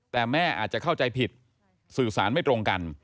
แต่แม่อาจจะเข้าใจผิดสื่อสารไม่ตรงกัน